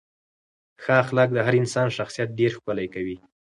ښه اخلاق د هر انسان شخصیت ډېر ښکلی کوي.